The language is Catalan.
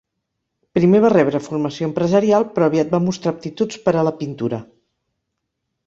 Primer va rebre formació empresarial, però aviat va mostrar aptituds per a la pintura.